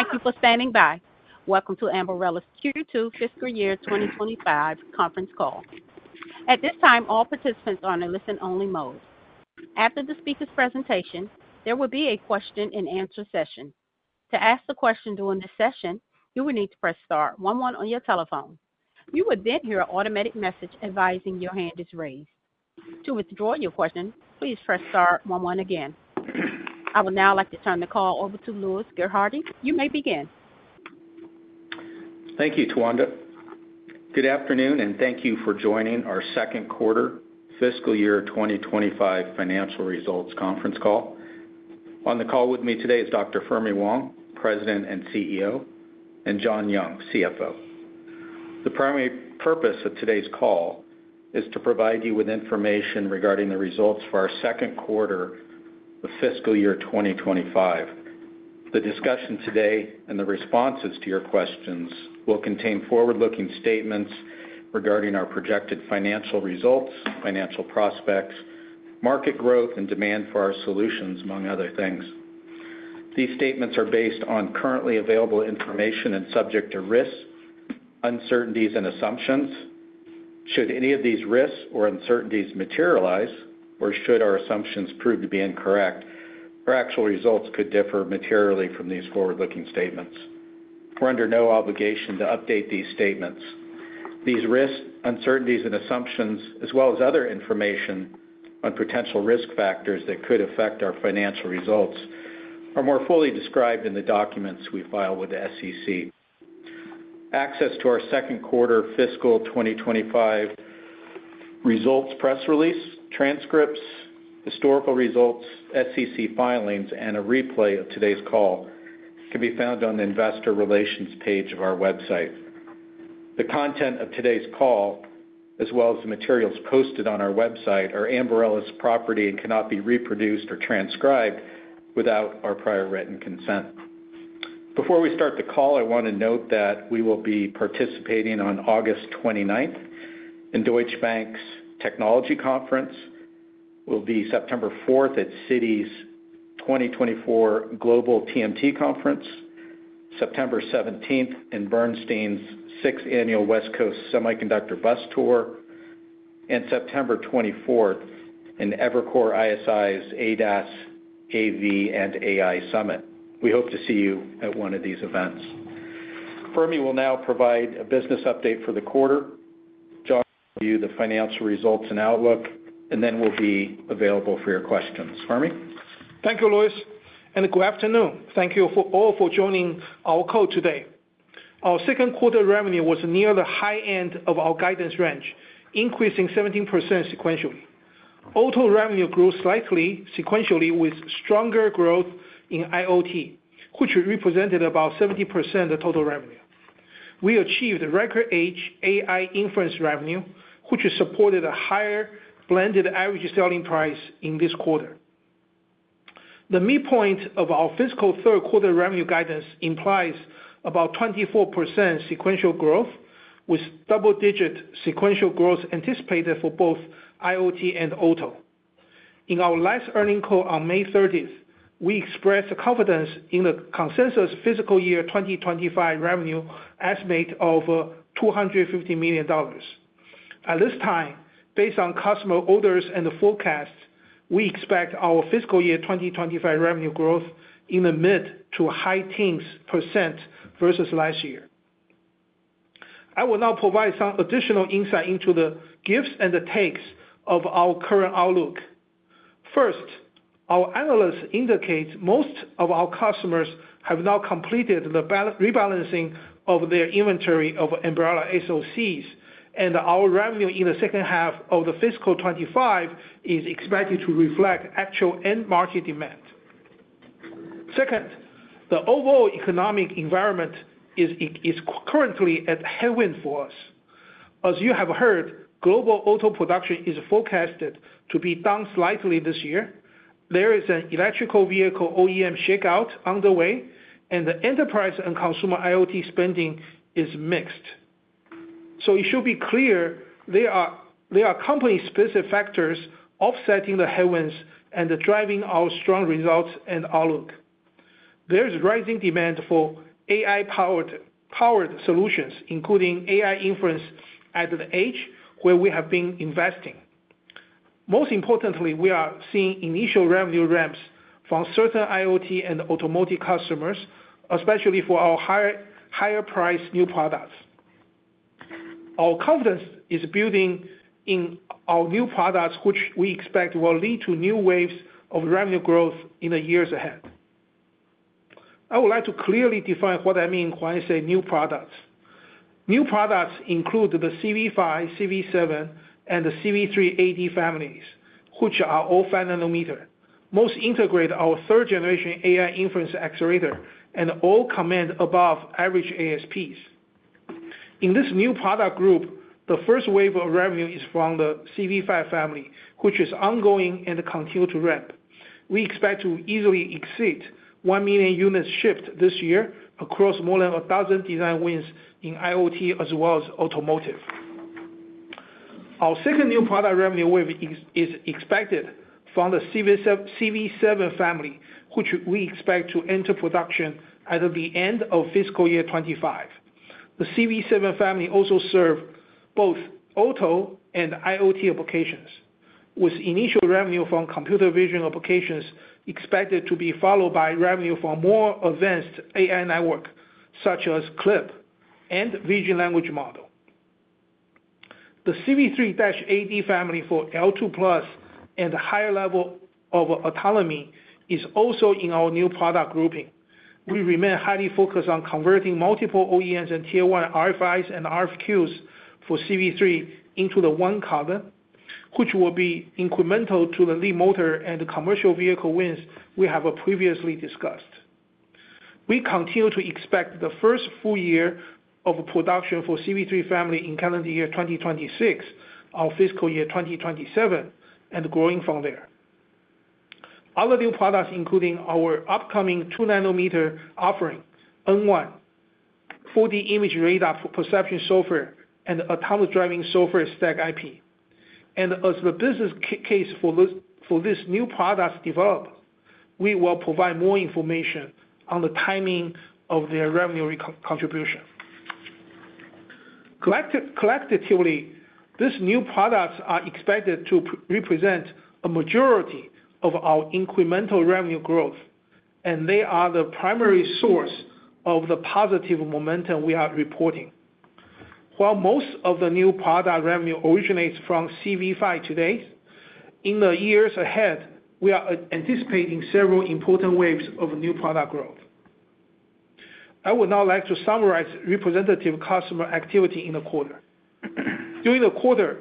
Thank you for standing by. Welcome to Ambarella's Q2 Fiscal Year 2025 conference call. At this time, all participants are in listen-only mode. After the speaker's presentation, there will be a question and answer session. To ask the question during the session, you will need to press star one one on your telephone. You would then hear an automatic message advising your hand is raised. To withdraw your question, please press star one one again. I would now like to turn the call over to Louis Gerhardy. You may begin. Thank you, Tawanda. Good afternoon, and thank you for joining our Q2, fiscal year twenty twenty-five financial results conference call. On the call with me today is Dr. Fermi Wang, President and CEO, and John Young, CFO. The primary purpose of today's call is to provide you with information regarding the results for our Q2 of fiscal year twenty twenty-five. The discussion today and the responses to your questions will contain forward-looking statements regarding our projected financial results, financial prospects, market growth, and demand for our solutions, among other things. These statements are based on currently available information and subject to risks, uncertainties and assumptions. Should any of these risks or uncertainties materialize, or should our assumptions prove to be incorrect, our actual results could differ materially from these forward-looking statements. We're under no obligation to update these statements. These risks, uncertainties and assumptions, as well as other information on potential risk factors that could affect our financial results, are more fully described in the documents we file with the SEC. Access to our Q2 fiscal 2025 results, press release, transcripts, historical results, SEC filings, and a replay of today's call can be found on the investor relations page of our website. The content of today's call, as well as the materials posted on our website, are Ambarella's property and cannot be reproduced or transcribed without our prior written consent. Before we start the call, I want to note that we will be participating on August 29th in Deutsche Bank's Technology Conference, will be September 4th at Citi's 2024 Global TMT Conference, September 17th in Bernstein's Sixth Annual West Coast Semiconductor Bus Tour, and September 24th in Evercore ISI's ADAS, AV, and AI Summit. We hope to see you at one of these events. Fermi will now provide a business update for the quarter. John will review the financial results and outlook, and then we'll be available for your questions. Fermi? Thank you, Louis, and good afternoon. Thank you all for joining our call today. Our Q2 revenue was near the high end of our guidance range, increasing 17% sequentially. Auto revenue grew slightly sequentially, with stronger growth in IoT, which represented about 70% of total revenue. We achieved a record Edge AI inference revenue, which has supported a higher blended average selling price in this quarter. The midpoint of our fiscal Q3 revenue guidance implies about 24% sequential growth, with double-digit sequential growth anticipated for both IoT and auto. In our last earnings call on May 30th, we expressed confidence in the consensus fiscal year 2025 revenue estimate of $250 million. At this time, based on customer orders and the forecast, we expect our fiscal year 2025 revenue growth in the mid- to high-teens % versus last year. I will now provide some additional insight into the gives and the takes of our current outlook. First, our analysts indicate most of our customers have now completed the rebalancing of their inventory of Ambarella SoCs, and our revenue in the second half of the fiscal twenty-five is expected to reflect actual end market demand. Second, the overall economic environment is currently a headwind for us. As you have heard, global auto production is forecasted to be down slightly this year. There is an electric vehicle OEM shakeout underway, and the enterprise and consumer IoT spending is mixed. So it should be clear there are company-specific factors offsetting the headwinds and driving our strong results and outlook. There is rising demand for AI-powered solutions, including AI inference at the edge, where we have been investing. Most importantly, we are seeing initial revenue ramps from certain IoT and automotive customers, especially for our higher priced new products. Our confidence is building in our new products, which we expect will lead to new waves of revenue growth in the years ahead. I would like to clearly define what I mean when I say new products. New products include the CV5, CV7, and the CV3-AD families, which are all 5-nanometer. Most integrate our third generation AI inference accelerator and all command above average ASPs. In this new product group, the first wave of revenue is from the CV5 family, which is ongoing and continue to ramp. We expect to easily exceed one million units shipped this year across more than a thousand design wins in IoT as well as automotive. Our second new product revenue wave is expected from the CV7 family, which we expect to enter production at the end of fiscal year 2025. The CV7 family also serve both auto and IoT applications, with initial revenue from computer vision applications expected to be followed by revenue from more advanced AI network, such as CLIP and vision language model. The CV3-AD family for L2+ and higher level of autonomy is also in our new product grouping. We remain highly focused on converting multiple OEMs and Tier One RFIs and RFQs for CV3 into the ADAS, which will be incremental to the Leapmotor and the commercial vehicle wins we have previously discussed. We continue to expect the first full year of production for CV3 family in calendar year 2026, our fiscal year 2027, and growing from there. Other new products, including our upcoming 2nm offering, N1, 4D imaging radar for perception software, and autonomous driving software stack IP, and as the business case for those, for these new products develop, we will provide more information on the timing of their revenue contribution. Collectively, these new products are expected to represent a majority of our incremental revenue growth, and they are the primary source of the positive momentum we are reporting. While most of the new product revenue originates from CV5 today, in the years ahead, we are anticipating several important waves of new product growth. I would now like to summarize representative customer activity in the quarter. During the quarter,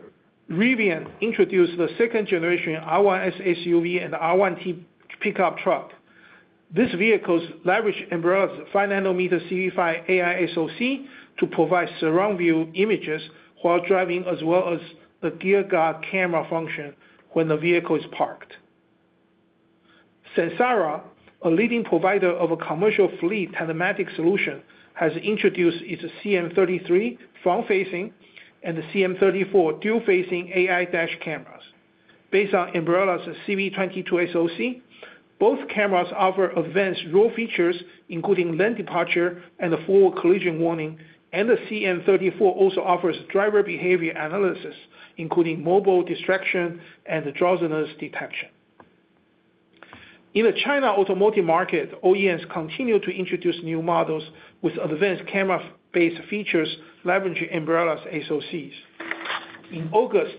Rivian introduced the second generation R1S SUV and R1T pickup truck. These vehicles leverage Ambarella's 5-nanometer CV5 AI SoC to provide surround view images while driving, as well as the Gear Guard camera function when the vehicle is parked. Samsara, a leading provider of a commercial fleet telematics solution, has introduced its CM33 front-facing and the CM34 dual-facing AI dash cameras. Based on Ambarella's CV22 SoC, both cameras offer advanced AI features, including lane departure and the forward collision warning, and the CM34 also offers driver behavior analysis, including mobile distraction and drowsiness detection. In the China automotive market, OEMs continue to introduce new models with advanced camera-based features leveraging Ambarella's SoCs. In August,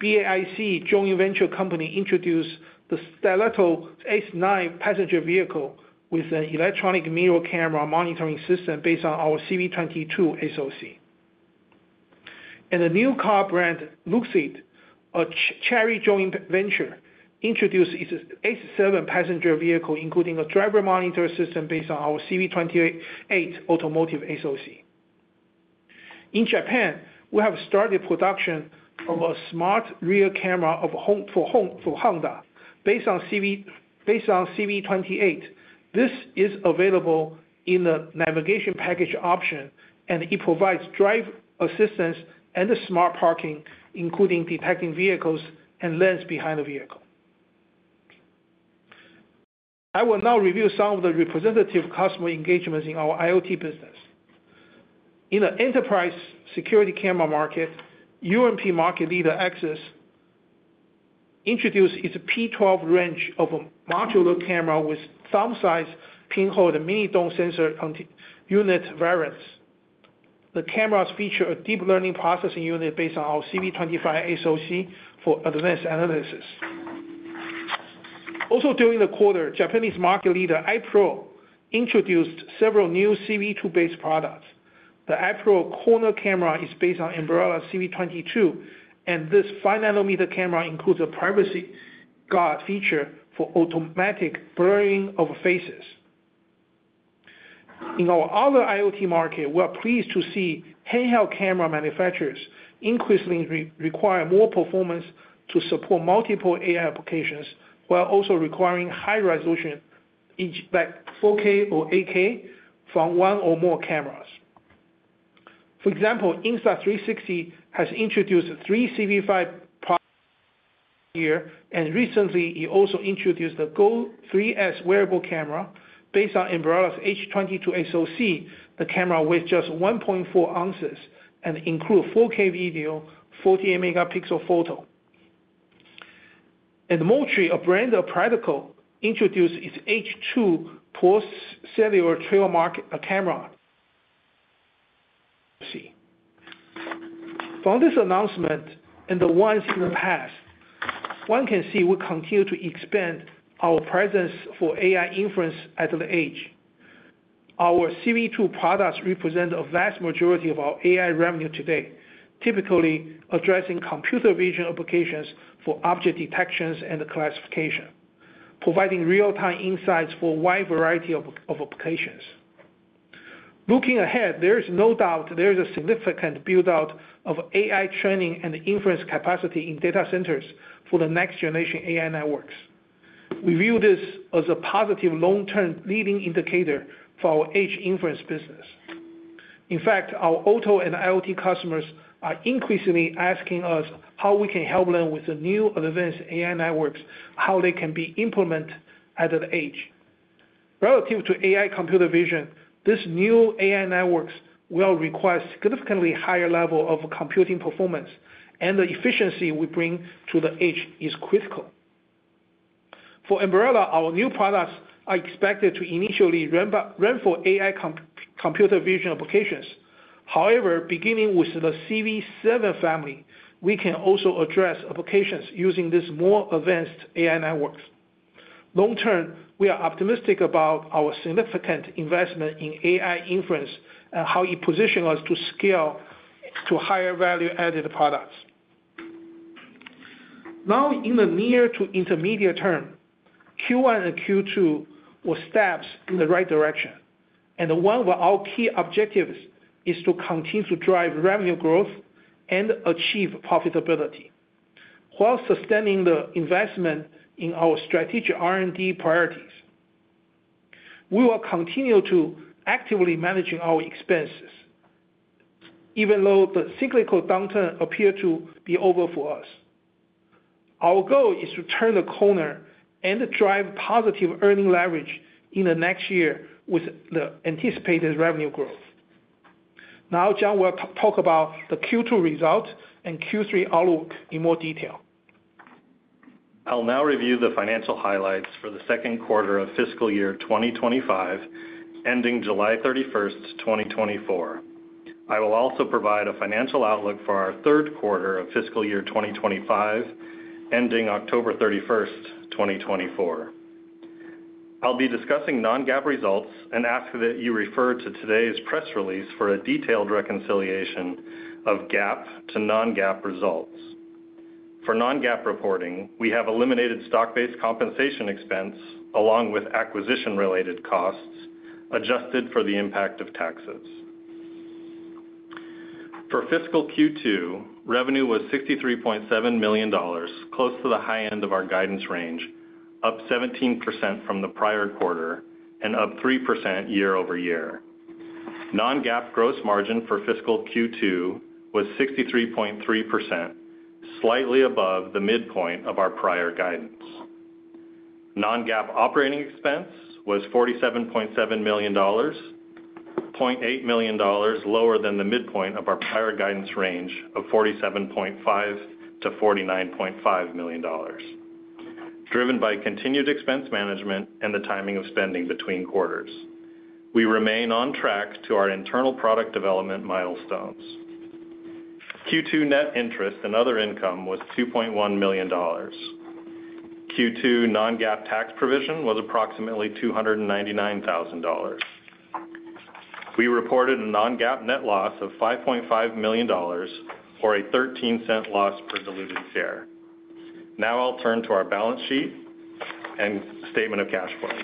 BAIC joint venture company introduced the Stelato S9 passenger vehicle with an electronic mirror camera monitoring system based on our CV22 SoC. The new car brand, Luxeed, a Chery joint venture, introduced its S7 passenger vehicle, including a driver monitoring system based on our CV28 automotive SoC. In Japan, we have started production of a smart rear camera for Honda. Based on CV28, this is available in the navigation package option, and it provides drive assistance and the smart parking, including detecting vehicles and lanes behind the vehicle. I will now review some of the representative customer engagements in our IoT business. In the enterprise security camera market, a market leader Axis introduced its P12 range of a modular camera with thumb-sized pinhole and mini dome sensor unit variants. The cameras feature a deep learning processing unit based on our CV25 SoC for advanced analysis. Also, during the quarter, Japanese market leader i-PRO introduced several new CV2-based products. The i-PRO corner camera is based on Ambarella's CV22, and this five-nanometer camera includes a privacy guard feature for automatic blurring of faces. In our other IoT market, we are pleased to see handheld camera manufacturers increasingly require more performance to support multiple AI applications, while also requiring high resolution, e.g., like 4K or 8K from one or more cameras. For example, Insta360 has introduced three CV5 products here, and recently, it also introduced the GO 3S wearable camera based on Ambarella's H22 SoC, the camera with just 1.4 ounces and include 4K video, 48-megapixel photo. Moultrie, a brand of PRADCO, introduced its Edge 2 Pro cellular trail camera. From this announcement and the ones in the past, one can see we continue to expand our presence for AI inference at the edge. Our CV2 products represent a vast majority of our AI revenue today, typically addressing computer vision applications for object detections and classification, providing real-time insights for a wide variety of applications. Looking ahead, there is no doubt there is a significant build-out of AI training and inference capacity in data centers for the next generation AI networks. We view this as a positive long-term leading indicator for our edge inference business. In fact, our auto and IoT customers are increasingly asking us how we can help them with the new advanced AI networks, how they can be implemented at the edge. Relative to AI computer vision, these new AI networks will require significantly higher level of computing performance, and the efficiency we bring to the edge is critical. For Ambarella, our new products are expected to initially run for AI computer vision applications. However, beginning with the CV7 family, we can also address applications using these more advanced AI networks. Long-term, we are optimistic about our significant investment in AI inference and how it positions us to scale to higher value-added products. Now, in the near- to intermediate-term, Q1 and Q2 were steps in the right direction, and one of our key objectives is to continue to drive revenue growth and achieve profitability, while sustaining the investment in our strategic R&D priorities. We will continue to actively manage our expenses, even though the cyclical downturn appears to be over for us. Our goal is to turn the corner and drive positive earnings leverage in the next year with the anticipated revenue growth. Now, John will talk about the Q2 results and Q3 outlook in more detail. I'll now review the financial highlights for the Q2 of fiscal year 2025, ending July 31st, 2024. I will also provide a financial outlook for our Q3 of fiscal year 2025, ending October 31st, 2024. I'll be discussing non-GAAP results, and ask that you refer to today's press release for a detailed reconciliation of GAAP to non-GAAP results. For non-GAAP reporting, we have eliminated stock-based compensation expense, along with acquisition-related costs, adjusted for the impact of taxes. For fiscal Q2, revenue was $63.7 million, close to the high end of our guidance range, up 17% from the prior quarter and up 3% year-over-year. Non-GAAP gross margin for fiscal Q2 was 63.3%, slightly above the midpoint of our prior guidance. Non-GAAP operating expense was $47.7 million, $0.8 million lower than the midpoint of our prior guidance range of $47.5-$49.5 million, driven by continued expense management and the timing of spending between quarters. We remain on track to our internal product development milestones. Q2 net interest and other income was $2.1 million. Q2 non-GAAP tax provision was approximately $299,000. We reported a non-GAAP net loss of $5.5 million or a 13-cent loss per diluted share. Now I'll turn to our balance sheet and statement of cash flows.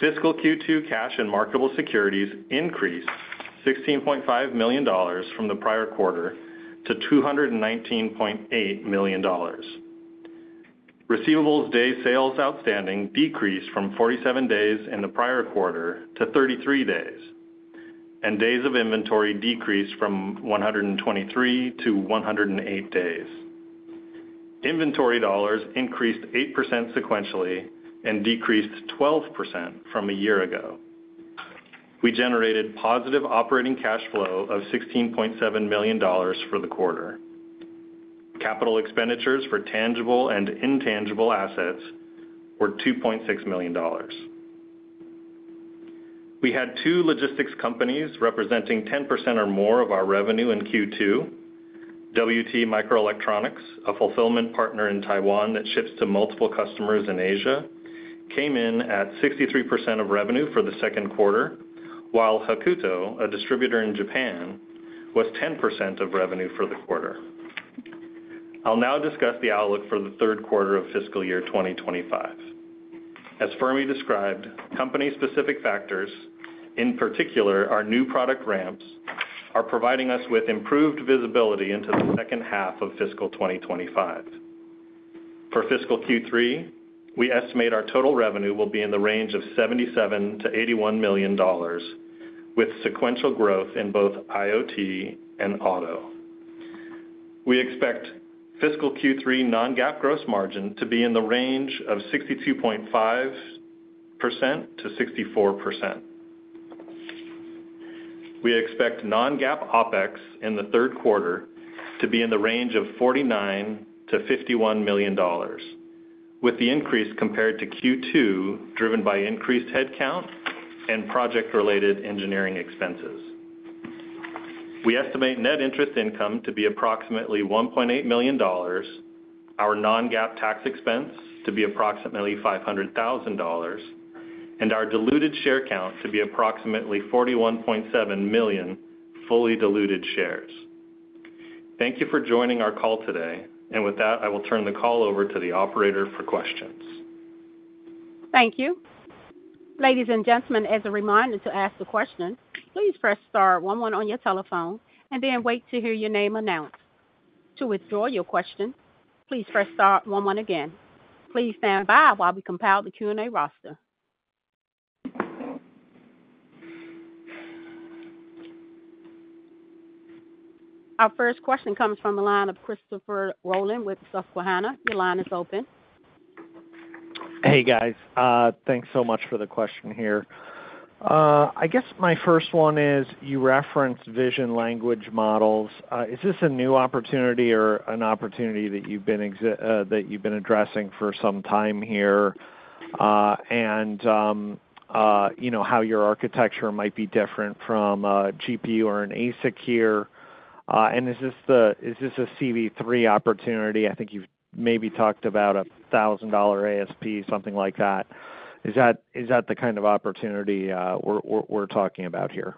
Fiscal Q2 cash and marketable securities increased $16.5 million from the prior quarter to $219.8 million. Receivables days sales outstanding decreased from 47 days in the prior quarter to 33 days, and days of inventory decreased from 123 to 108 days. Inventory dollars increased 8% sequentially and decreased 12% from a year ago. We generated positive operating cash flow of $16.7 million for the quarter. Capital expenditures for tangible and intangible assets were $2.6 million. We had two logistics companies representing 10% or more of our revenue in Q2. WT Microelectronics, a fulfillment partner in Taiwan that ships to multiple customers in Asia, came in at 63% of revenue for the Q2, while Hakuto, a distributor in Japan, was 10% of revenue for the quarter. I'll now discuss the outlook for the Q3 of fiscal year 2025. As Fermi described, company-specific factors, in particular, our new product ramps, are providing us with improved visibility into the second half of fiscal twenty twenty-five. For fiscal Q3, we estimate our total revenue will be in the range of $77-$81 million, with sequential growth in both IoT and auto. We expect fiscal Q3 non-GAAP gross margin to be in the range of 62.5%-64%. We expect non-GAAP OpEx in the Q3 to be in the range of $49-$51 million, with the increase compared to Q2, driven by increased headcount and project-related engineering expenses. We estimate net interest income to be approximately $1.8 million, our non-GAAP tax expense to be approximately $500,000, and our diluted share count to be approximately $41.7 million fully diluted shares. Thank you for joining our call today. With that, I will turn the call over to the operator for questions. Thank you. Ladies and gentlemen, as a reminder, to ask a question, please press star one one on your telephone and then wait to hear your name announced. To withdraw your question, please press star one one again. Please stand by while we compile the Q&A roster. Our first question comes from the line of Christopher Rolland with Susquehanna. Your line is open. Hey, guys. Thanks so much for the question here. I guess my first one is, you referenced vision language models. Is this a new opportunity or an opportunity that you've been addressing for some time here? And, you know, how your architecture might be different from a GPU or an ASIC here. And is this a CV3 opportunity? I think you've maybe talked about a $1,000 ASP, something like that. Is that the kind of opportunity we're talking about here?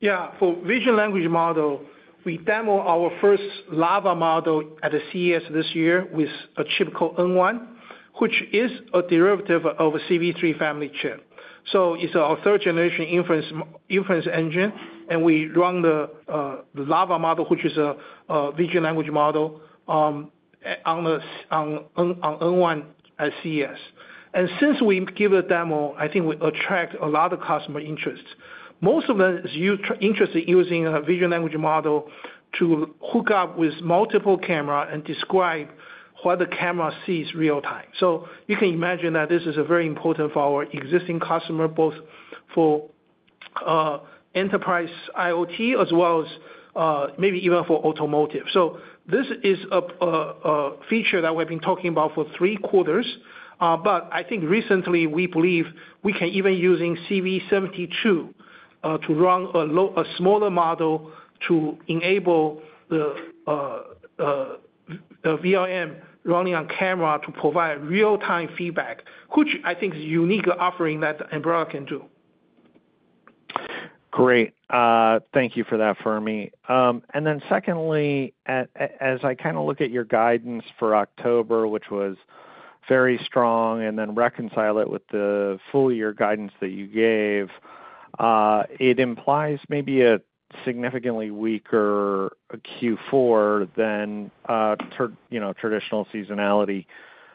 Yeah. For vision language model, we demo our first LLaVA model at CES this year with a chip called N1, which is a derivative of a CV3 family chip. So it's our third generation inference inference engine, and we run the the LLaVA model, which is a a vision language model, on on N1 at CES. And since we give a demo, I think we attract a lot of customer interest. Most of them is interested in using a vision language model to hook up with multiple camera and describe what the camera sees real time. So you can imagine that this is a very important for our existing customer, both for enterprise IoT, as well as maybe even for automotive. So this is a feature that we've been talking about for three quarters, but I think recently, we believe we can even using CV72 to run a smaller model to enable the VLM running on camera to provide real-time feedback, which I think is a unique offering that Ambarella can do. Great. Thank you for that, Fermi. And then secondly, as I kind of look at your guidance for October, which was very strong, and then reconcile it with the full year guidance that you gave, it implies maybe a significantly weaker Q4 than, you know, traditional seasonality,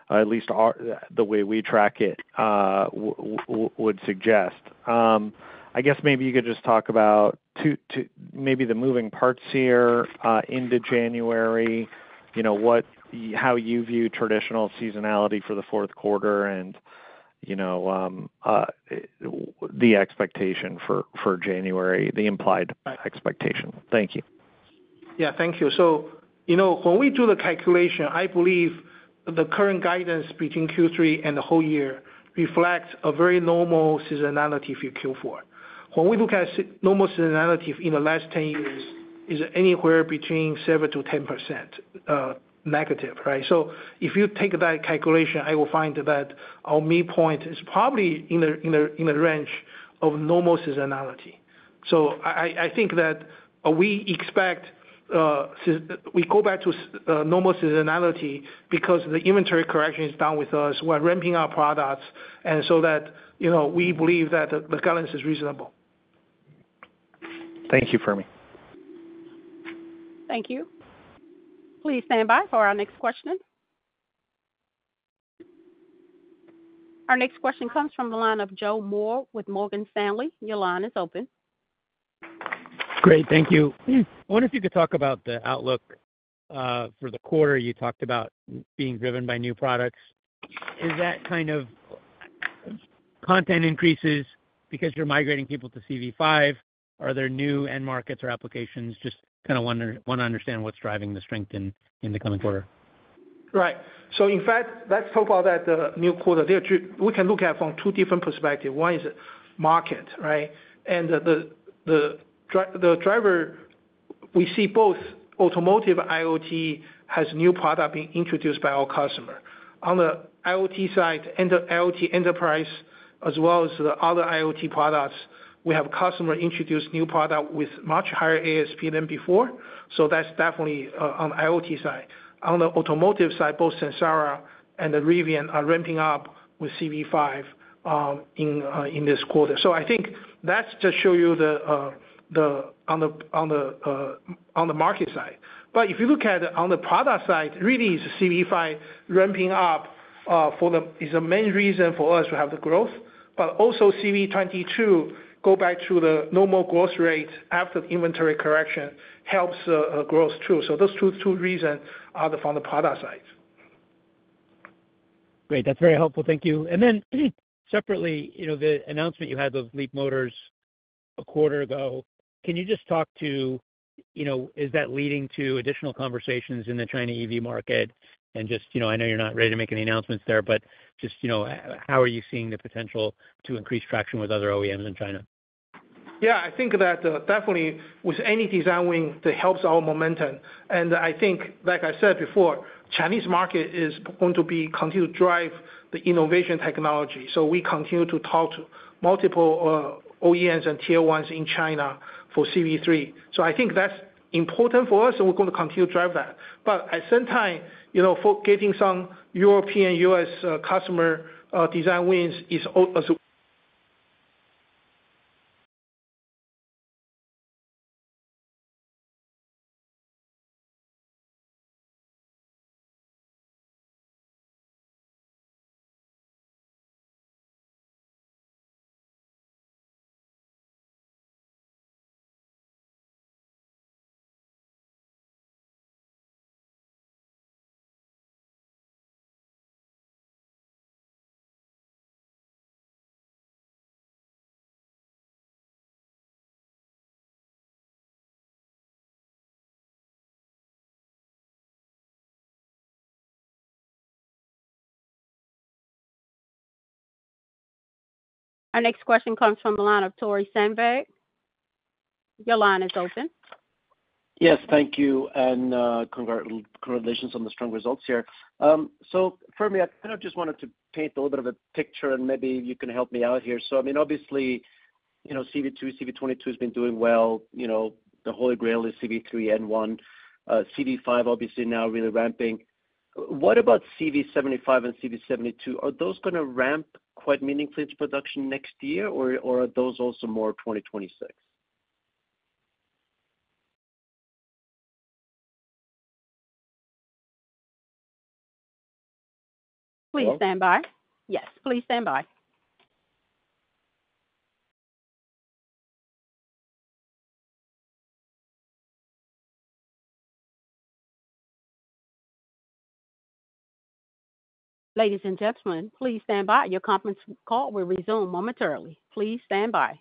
at least the way we track it, would suggest. I guess maybe you could just talk about the moving parts here, into January, you know, what, how you view traditional seasonality for the Q4 and, you know, the expectation for January, the implied expectation. Thank you. Yeah. Thank you. So, you know, when we do the calculation, I believe the current guidance between Q3 and the whole year reflects a very normal seasonality for Q4. When we look at normal seasonality in the last 10 years, it's anywhere between 7% to 10% negative, right? So if you take that calculation, I will find that our midpoint is probably in a range of normal seasonality. So I think that we expect we go back to normal seasonality because the inventory correction is done with us. We're ramping our products, and so that, you know, we believe that the guidance is reasonable. Thank you, Fermi. Thank you. Please stand by for our next question. Our next question comes from the line of Joe Moore with Morgan Stanley. Your line is open. Great. Thank you. I wonder if you could talk about the outlook for the quarter. You talked about being driven by new products. Is that kind of content increases because you're migrating people to CV5? Are there new end markets or applications? Just kind of want to understand what's driving the strength in the coming quarter. Right. So in fact, let's talk about that, new quarter. There are two - we can look at from two different perspective. One is market, right? And the driver, we see both automotive IoT has new product being introduced by our customer. On the IoT side and the IoT enterprise, as well as the other IoT products, we have customer introduce new product with much higher ASP than before, so that's definitely on the IoT side. On the automotive side, both Samsara and the Rivian are ramping up with CV5, in this quarter. So I think that's just show you the, on the market side. But if you look at on the product side, really is CV5 ramping up, is the main reason for us to have the growth. But also CV22 go back to the normal growth rate after the inventory correction helps growth too. So those two reasons are from the product side. Great, that's very helpful. Thank you. And then separately, you know, the announcement you had with Leapmotor a quarter ago, can you just talk to, you know, is that leading to additional conversations in the China EV market? And just, you know, I know you're not ready to make any announcements there, but just, you know, how are you seeing the potential to increase traction with other OEMs in China? Yeah, I think that, definitely with any design win, that helps our momentum. And I think, like I said before, Chinese market is going to continue to drive the innovation technology. So we continue to talk to multiple, OEMs and tier ones in China for CV3. So I think that's important for us, and we're going to continue to drive that. But at the same time, you know, for getting some European, US, customer, design wins is al- as- Our next question comes from the line of Tore Svanberg. Your line is open. Yes, thank you, and congratulations on the strong results here. So for me, I kind of just wanted to paint a little bit of a picture, and maybe you can help me out here. So I mean, obviously, you know, CV2, CV22 has been doing well. You know, the Holy Grail is CV3, N1, CV5 obviously now really ramping. What about CV75 and CV72? Are those gonna ramp quite meaningfully to production next year, or are those also more 2026? Please stand by. Yes, please stand by. Ladies and gentlemen, please stand by. Your conference call will resume momentarily. Please stand by. ...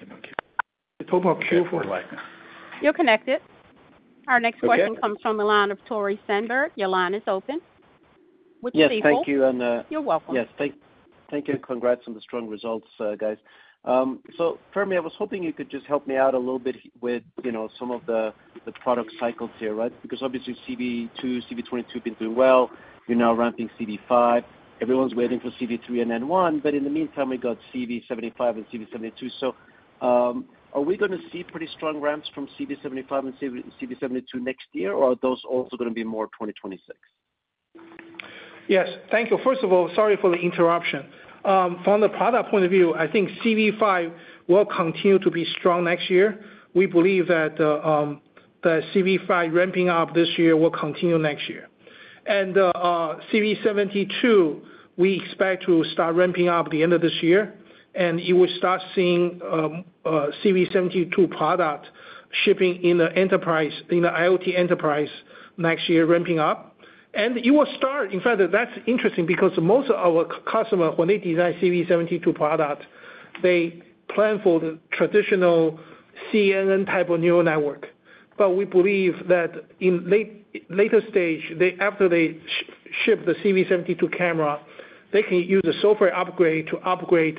He was talking, okay. He talked about Q4. You're connected. Okay. Our next question comes from the line of Tore Svanberg. Your line is open. Yes, thank you, and- You're welcome. Yes, thank you, and congrats on the strong results, guys. So for me, I was hoping you could just help me out a little bit with, you know, some of the product cycles here, right? Because obviously CV2, CV22 have been doing well. You're now ramping CV5. Everyone's waiting for CV3 and N1, but in the meantime, we got CV75 and CV72. So, are we gonna see pretty strong ramps from CV75 and CV72 next year, or are those also gonna be more twenty twenty-six? Yes. Thank you. First of all, sorry for the interruption. From the product point of view, I think CV5 will continue to be strong next year. We believe that, the CV5 ramping up this year will continue next year. And, CV72, we expect to start ramping up at the end of this year, and you will start seeing, CV72 product shipping in the enterprise, in the IoT enterprise next year, ramping up. And you will start - in fact, that's interesting because most of our customers, when they design CV72 products, they plan for the traditional CNN type of neural network. But we believe that in later stage, they, after they ship the CV72 camera, they can use a software upgrade to upgrade,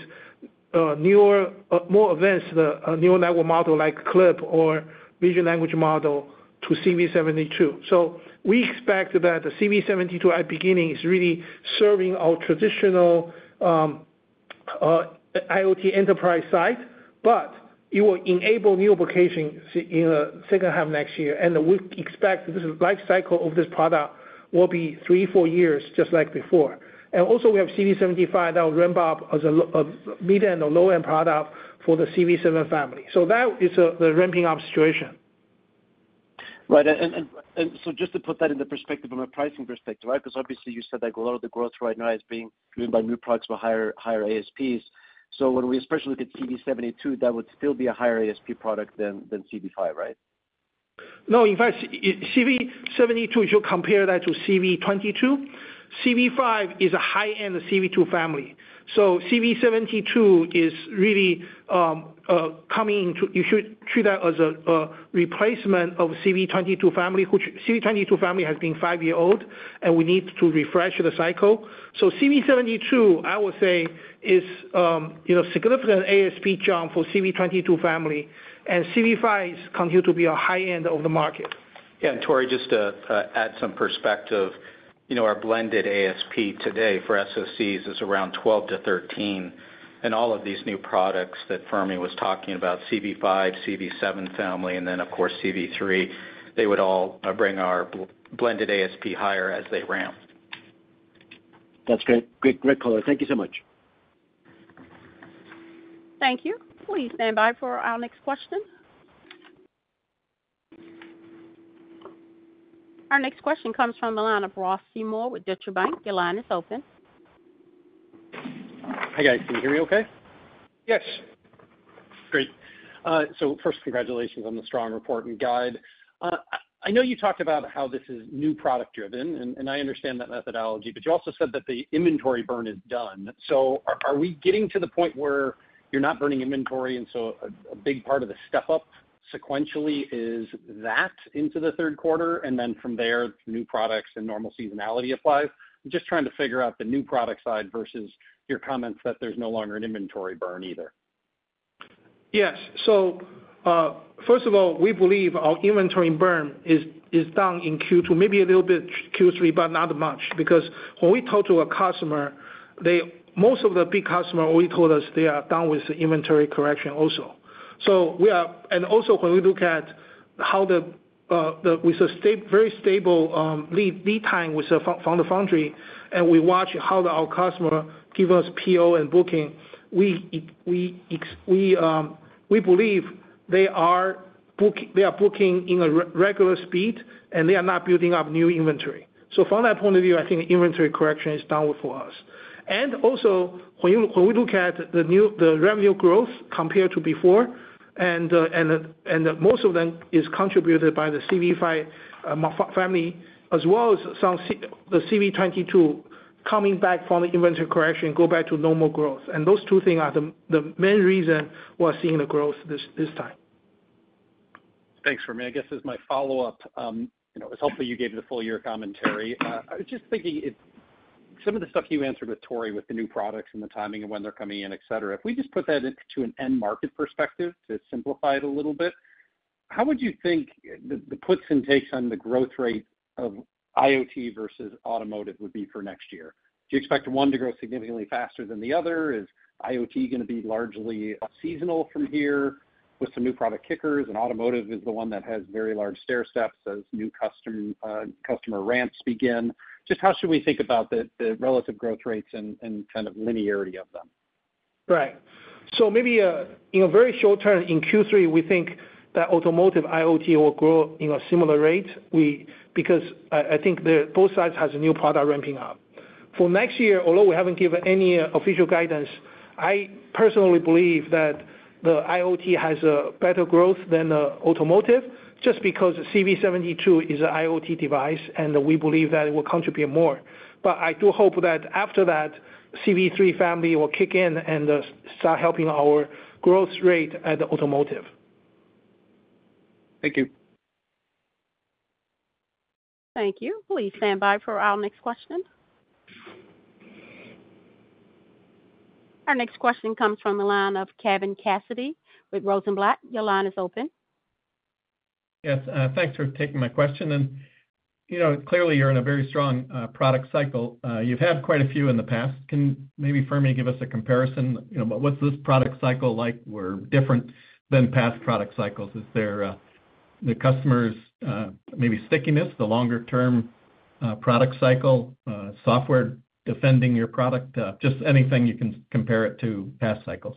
newer, more advanced, neural network model like CLIP or vision language model to CV72. So we expect that the CV72 at beginning is really serving our traditional IoT enterprise side, but it will enable new applications in the second half of next year. And we expect the life cycle of this product will be three, four years, just like before. And also, we have CV75 that will ramp up as a mid-end or low-end product for the CV7 family. So that is the ramping up situation. Right. And so just to put that into perspective from a pricing perspective, right? Because obviously you said, like, a lot of the growth right now is being driven by new products with higher ASPs. So when we especially look at CV72, that would still be a higher ASP product than CV5, right? No, in fact, CV72, you should compare that to CV22. CV5 is a high-end CV2 family, so CV72 is really coming to... You should treat that as a replacement of CV22 family, which CV22 family has been five-year-old, and we need to refresh the cycle. So CV72, I would say, is, you know, significant ASP jump for CV22 family, and CV5 is continue to be a high end of the market. Yeah, and Tore, just to add some perspective, you know, our blended ASP today for SoCs is around $12-$13. And all of these new products that Fermi was talking about, CV5, CV7 family, and then of course, CV3, they would all bring our blended ASP higher as they ramp. That's great. Great, great color. Thank you so much. Thank you. Please stand by for our next question. Our next question comes from the line of Ross Seymore with Deutsche Bank. Your line is open. Hi, guys. Can you hear me okay? Yes. Great. So first, congratulations on the strong report and guide. I know you talked about how this is new product driven, and I understand that methodology, but you also said that the inventory burn is done. So are we getting to the point where you're not burning inventory, and so a big part of the step up sequentially is that into the Q3, and then from there, new products and normal seasonality applies? I'm just trying to figure out the new product side versus your comments that there's no longer an inventory burn either. Yes. First of all, we believe our inventory burn is down in Q2, maybe a little bit in Q3, but not much. Because when we talk to a customer, most of the big customers already told us they are done with the inventory correction also. We are, and also, when we look at how the, with a very stable lead time from the foundry, and we watch how our customers give us PO and booking, we believe they are booking in a regular speed, and they are not building up new inventory. From that point of view, I think inventory correction is down for us. Also, when we look at the new revenue growth compared to before, and most of them is contributed by the CV5 family, as well as some of the CV22 coming back from the inventory correction, go back to normal growth. Those two things are the main reason we're seeing the growth this time. Thanks, Fermi. I guess as my follow-up, you know, it's helpful you gave the full year commentary. I was just thinking, if some of the stuff you answered with Tore, with the new products and the timing of when they're coming in, et cetera. If we just put that into an end market perspective, to simplify it a little bit, how would you think the puts and takes on the growth rate of IoT versus automotive would be for next year? Do you expect one to grow significantly faster than the other? Is IoT going to be largely seasonal from here with some new product kickers, and automotive is the one that has very large stairsteps as new customer ramps begin? Just how should we think about the relative growth rates and kind of linearity of them? Right. So maybe, in a very short term, in Q3, we think that automotive IoT will grow in a similar rate. Because I think the both sides has a new product ramping up. For next year, although we haven't given any, official guidance, I personally believe that the IoT has a better growth than, automotive, just because CV72 is a IoT device, and we believe that it will contribute more. But I do hope that after that, CV3 family will kick in and, start helping our growth rate at automotive. Thank you. Thank you. Please stand by for our next question. Our next question comes from the line of Kevin Cassidy with Rosenblatt. Your line is open. Yes, thanks for taking my question. And, you know, clearly, you're in a very strong product cycle. You've had quite a few in the past. Can maybe, Fermi, give us a comparison, you know, what's this product cycle like or different than past product cycles? Is there the customers' maybe stickiness, the longer term product cycle, software defending your product? Just anything you can compare it to past cycles.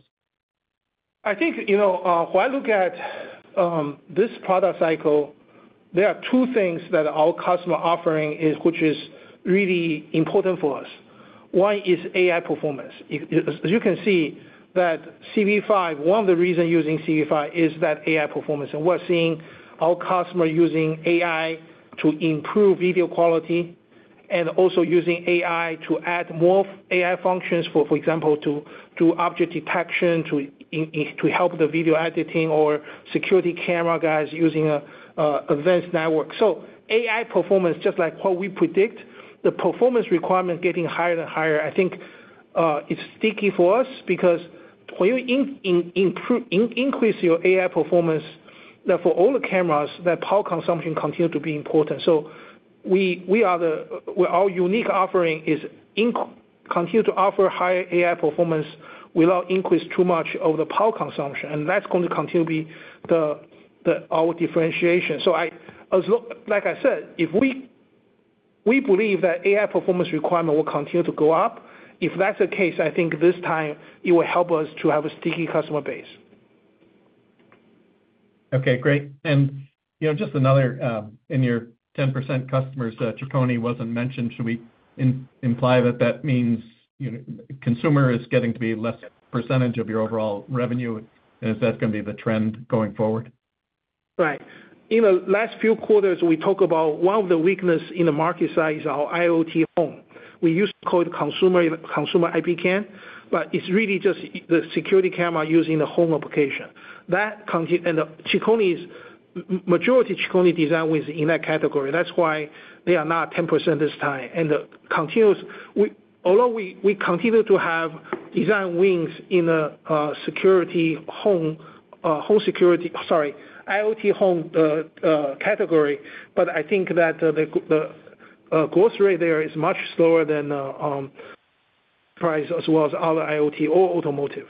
I think, you know, when I look at this product cycle, there are two things that our customer offering is, which is really important for us. One is AI performance. As you can see, that CV5, one of the reason using CV5 is that AI performance. And we're seeing our customer using AI to improve video quality and also using AI to add more AI functions, for example, to object detection, to help the video editing or security camera guys using an advanced network. So AI performance, just like what we predict, the performance requirement getting higher and higher. I think, it's sticky for us because when you increase your AI performance, that for all the cameras, the power consumption continue to be important. Our unique offering is to continue to offer high AI performance without increasing too much of the power consumption, and that's going to continue to be our differentiation. Like I said, if we believe that AI performance requirement will continue to go up. If that's the case, I think this time it will help us to have a sticky customer base. Okay, great. And, you know, just another, in your 10% customers, Chicony wasn't mentioned. Should we imply that that means, you know, consumer is getting to be less percentage of your overall revenue? And is that going to be the trend going forward? Right. In the last few quarters, we talk about one of the weakness in the market side is our IoT home. We used to call it consumer, consumer IP cam, but it's really just the security camera using the home application. That and the Chicony's majority Chicony design wins in that category. That's why they are not 10% this time. And continues. Although we continue to have design wins in the security home, home security, sorry, IoT home category, but I think that the growth rate there is much slower than price as well as other IoT or automotive.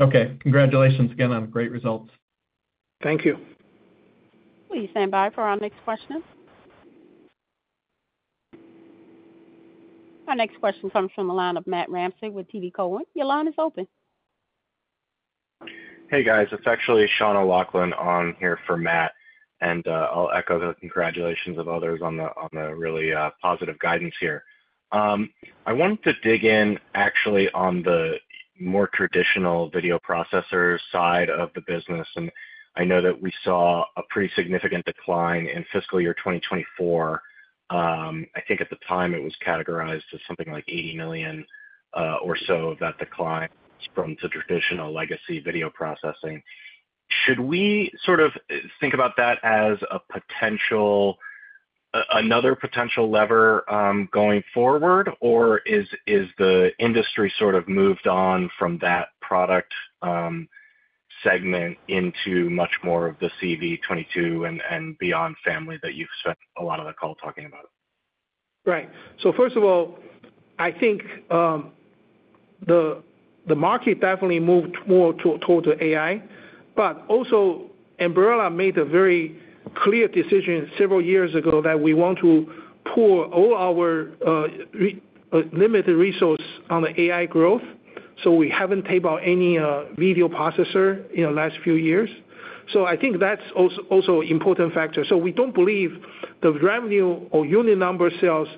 Okay. Congratulations again on great results. Thank you. Please stand by for our next question. Our next question comes from the line of Matt Ramsey with TD Cowen. Your line is open. Hey, guys. It's actually Sean O'Loughlin on here for Matt, and I'll echo the congratulations of others on the really positive guidance here. I wanted to dig in actually on the more traditional video processor side of the business. I know that we saw a pretty significant decline in fiscal year 2024. I think at the time, it was categorized as something like $80 million or so of that decline from the traditional legacy video processing. Should we sort of think about that as a potential another potential lever going forward? Or is the industry sort of moved on from that product segment into much more of the CV22 and beyond family that you've spent a lot of the call talking about? Right. So first of all, I think the market definitely moved more toward the AI. But also, Ambarella made a very clear decision several years ago that we want to pour all our limited resources on the AI growth, so we haven't cared about any video processor in the last few years. So I think that's also important factor. So we don't believe the revenue or unit number sales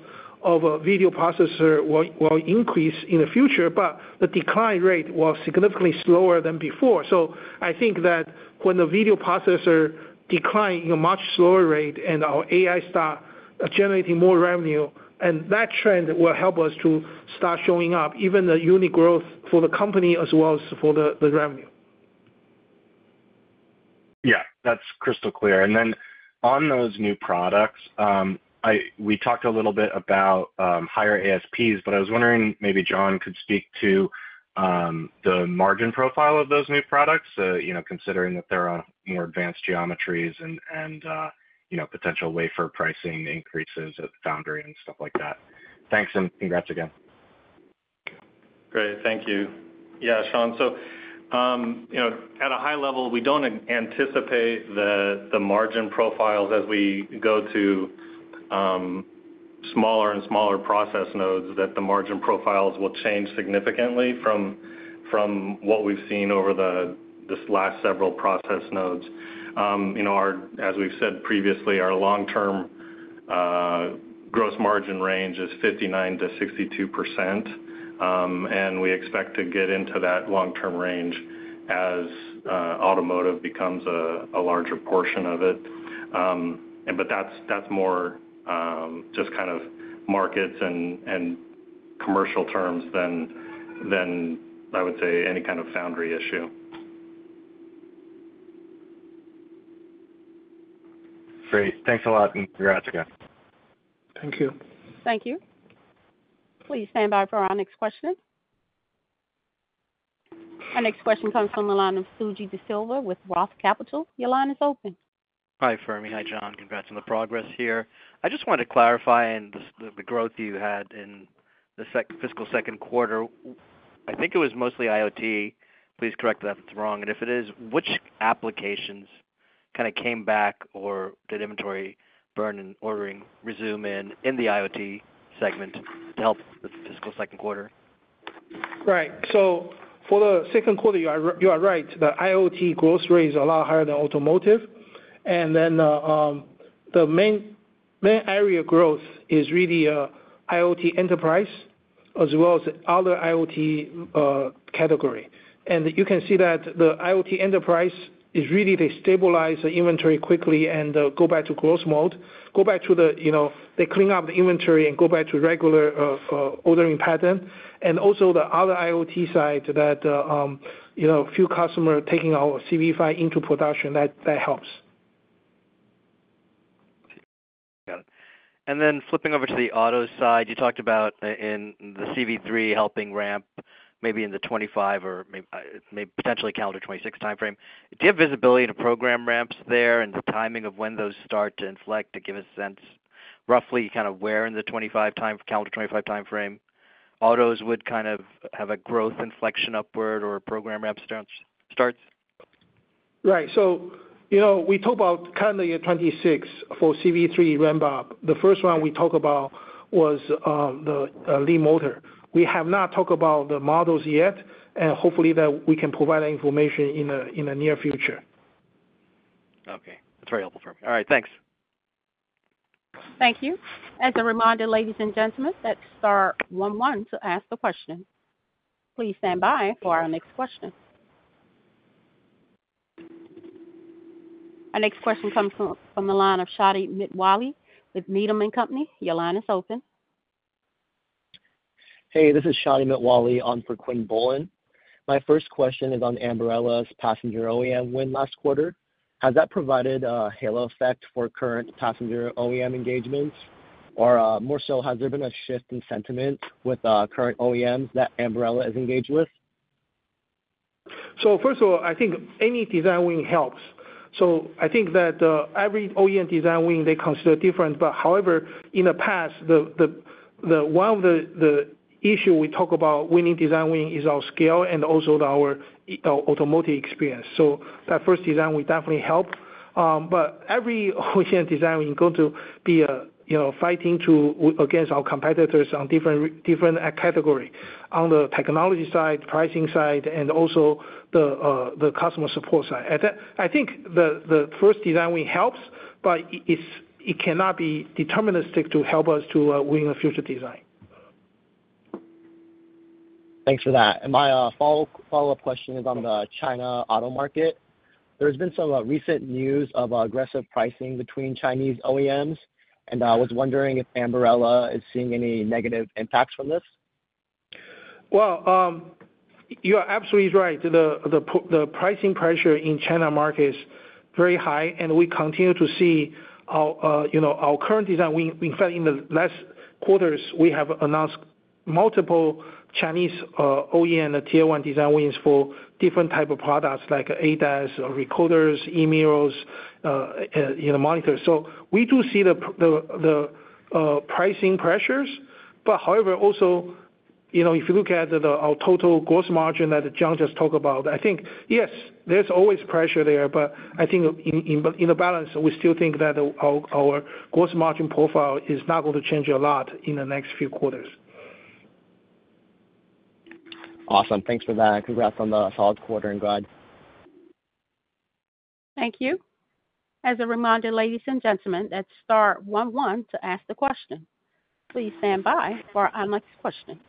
of a video processor will increase in the future, but the decline rate was significantly slower than before. So I think that when the video processor decline in a much slower rate and our AI start generating more revenue, and that trend will help us to start showing up even the unit growth for the company as well as for the revenue. Yeah, that's crystal clear, and then on those new products, we talked a little bit about higher ASPs, but I was wondering, maybe John could speak to the margin profile of those new products, you know, considering that there are more advanced geometries and you know, potential wafer pricing increases at the foundry and stuff like that. Thanks, and congrats again. Great. Thank you. Yeah, Sean, so, you know, at a high level, we don't anticipate the margin profiles as we go to smaller and smaller process nodes, that the margin profiles will change significantly from what we've seen over this last several process nodes. As we've said previously, our long-term gross margin range is 59%-62%, and we expect to get into that long-term range as automotive becomes a larger portion of it. And but that's more just kind of markets and commercial terms than I would say any kind of foundry issue. Great. Thanks a lot, and congrats again. Thank you. Thank you. Please stand by for our next question. Our next question comes from the line of Suji Desilva with Roth Capital. Your line is open. Hi, Fermi. Hi, John. Congrats on the progress here. I just wanted to clarify the growth you had in the fiscal Q2. I think it was mostly IoT. Please correct me if that's wrong. If it is, which applications kind of came back or did inventory burn and ordering resume in the IoT segment to help with the fiscal Q2? Right. So for the Q2, you are, you are right. The IoT growth rate is a lot higher than automotive. And then, the main area growth is really, IoT enterprise as well as other IoT category. And you can see that the IoT enterprise is really, they stabilize the inventory quickly and, go back to growth mode, you know, they clean up the inventory and go back to regular, ordering pattern. And also the other IoT side that, you know, a few customers are taking our CV5 into production, that helps. Got it. And then flipping over to the auto side, you talked about in the CV3 helping ramp maybe in the 2025 or maybe potentially calendar 2026 timeframe. Do you have visibility into program ramps there and the timing of when those start to inflect, to give a sense, roughly kind of where in the 2025 timeframe, autos would kind of have a growth inflection upward or program ramps start? Right. So, you know, we talk about calendar year 2026 for CV3 ramp up. The first one we talk about was Leapmotor. We have not talked about the models yet, and hopefully that we can provide that information in the near future. Okay. That's very helpful for me. All right, thanks. Thank you. As a reminder, ladies and gentlemen, that's star one one to ask the question. Please stand by for our next question. Our next question comes from the line of Shadi Mitwali with Needham & Company. Your line is open. Hey, this is Shadi Mitwalli on for Quinn Bolton. My first question is on Ambarella's passenger OEM win last quarter. Has that provided a halo effect for current passenger OEM engagements? Or, more so, has there been a shift in sentiment with, current OEMs that Ambarella is engaged with? So first of all, I think any design win helps. So I think that every OEM design win, they consider different. But however, in the past, the one of the issue we talk about winning design win is our scale and also our automotive experience. So that first design will definitely help. But every OEM design win going to be, you know, fighting against our competitors on different category, on the technology side, pricing side, and also the customer support side. At that, I think the first design win helps, but it cannot be deterministic to help us to win a future design. Thanks for that, and my follow-up question is on the China auto market. There's been some recent news of aggressive pricing between Chinese OEMs, and I was wondering if Ambarella is seeing any negative impacts from this?... Well, you are absolutely right. The pricing pressure in China market is very high, and we continue to see our current design. We, in fact, in the last quarters, we have announced multiple Chinese OEM and Tier One design wins for different type of products like ADAS or recorders, e-mirrors, you know, monitors. So we do see the pricing pressures. But however, also, you know, if you look at our total gross margin that John just talked about, I think, yes, there's always pressure there, but I think in the balance, we still think that our gross margin profile is not going to change a lot in the next few quarters. Awesome. Thanks for that, and congrats on the solid quarter, and glad. Thank you. As a reminder, ladies and gentlemen, that's star one one to ask the question. Please stand by for our next question.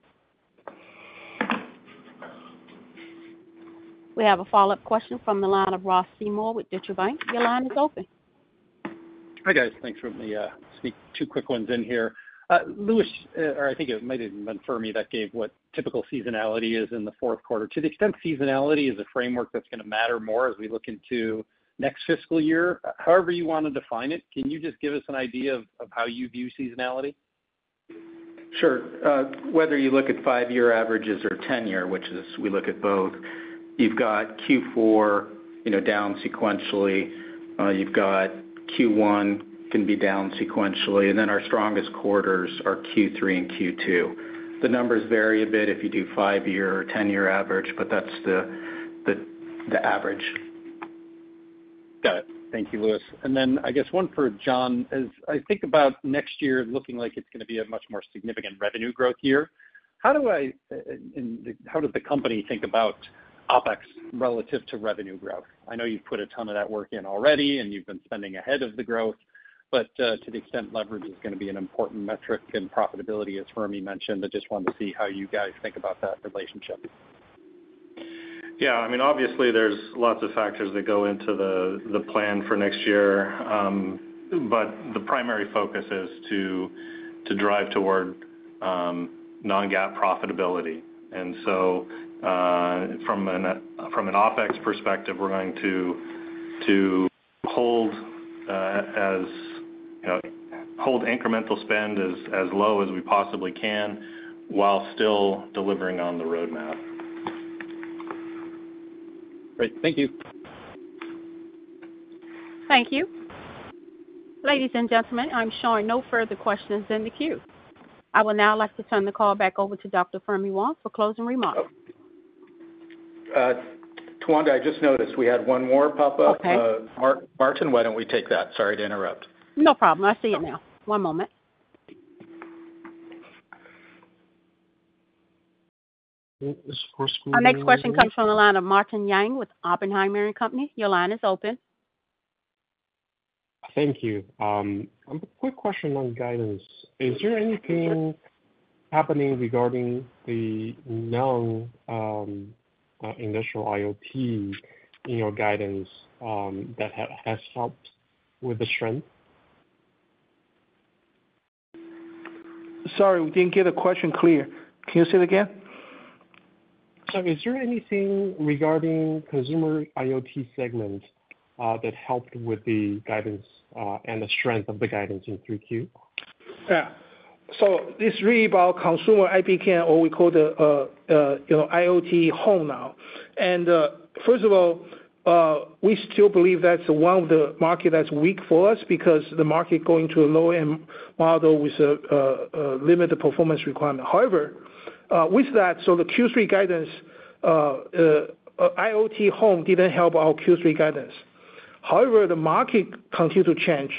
We have a follow-up question from the line of Ross Seymore with Deutsche Bank. Your line is open. Hi, guys. Thanks for let me sneak two quick ones in here. Louis, or I think it might have been Fermi that gave what typical seasonality is in the Q4. To the extent seasonality is a framework that's gonna matter more as we look into next fiscal year, however you want to define it, can you just give us an idea of how you view seasonality? Sure. Whether you look at five-year averages or ten-year, which is, we look at both, you've got Q4, you know, down sequentially, you've got Q1 can be down sequentially, and then our strongest quarters are Q3 and Q2. The numbers vary a bit if you do five-year or ten-year average, but that's the average. Got it. Thank you, Louis. And then I guess one for John. As I think about next year looking like it's gonna be a much more significant revenue growth year, how do I and how does the company think about OpEx relative to revenue growth? I know you've put a ton of that work in already, and you've been spending ahead of the growth, but to the extent leverage is gonna be an important metric in profitability, as Fermi mentioned, I just wanted to see how you guys think about that relationship. Yeah, I mean, obviously, there's lots of factors that go into the plan for next year, but the primary focus is to drive toward non-GAAP profitability. And so, from an OpEx perspective, we're going to hold, as you know, incremental spend as low as we possibly can, while still delivering on the roadmap. Great. Thank you. Thank you. Ladies and gentlemen, I'm showing no further questions in the queue. I would now like to turn the call back over to Dr. Fermi Wang for closing remarks. Tawanda, I just noticed we had one more pop up. Okay. Martin, why don't we take that? Sorry to interrupt. No problem. I see it now. One moment. Our next question comes from the line of Martin Yang with Oppenheimer Company. Your line is open. Thank you. Quick question on guidance. Is there anything happening regarding the known industrial IoT in your guidance that has helped with the strength? Sorry, we didn't get the question clear. Can you say it again? So is there anything regarding consumer IoT segment that helped with the guidance and the strength of the guidance in 3Q? Yeah. So this is really about consumer IP camera, or we call the, you know, IoT Home Now. And first of all, we still believe that's one of the market that's weak for us because the market going to a low-end model with limited performance requirement. However, with that, so the Q3 guidance, IoT Home didn't help our Q3 guidance. However, the market continued to change,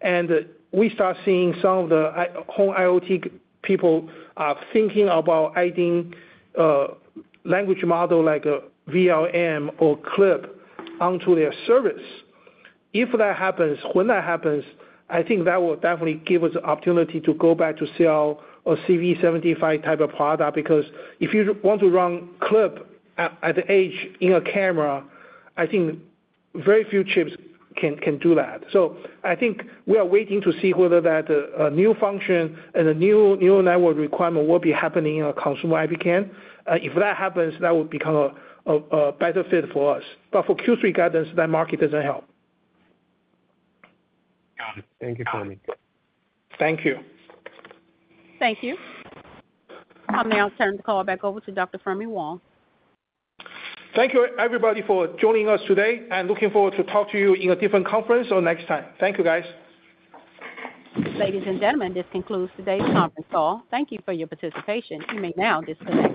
and we start seeing some of the IoT home IoT people are thinking about adding language model like a VLM or CLIP onto their service. If that happens, when that happens, I think that will definitely give us the opportunity to go back to sell a CV75 type of product. Because if you want to run CLIP at the edge in a camera, I think very few chips can do that. So I think we are waiting to see whether that a new function and a new network requirement will be happening in our consumer IP cam. If that happens, that would become a better fit for us. But for Q3 guidance, that market doesn't help. Got it. Thank you, Fermi. Thank you. Thank you. I'll now turn the call back over to Dr. Fermi Wang. Thank you, everybody, for joining us today, and looking forward to talk to you in a different conference or next time. Thank you, guys. Ladies and gentlemen, this concludes today's conference call. Thank you for your participation. You may now disconnect.